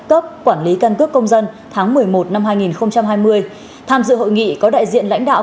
cấp quản lý căn cước công dân tháng một mươi một năm hai nghìn hai mươi tham dự hội nghị có đại diện lãnh đạo